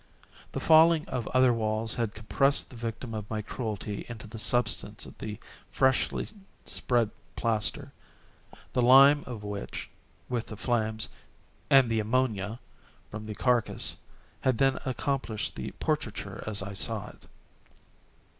The falling of other walls had compressed the victim of my cruelty into the substance of the freshly spread plaster; the lime of which, with the flames, and the ammonia from the carcass, had then accomplished the portraiture as I saw it.